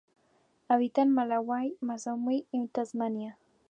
Habita en Malaui, Mozambique y Tanzania.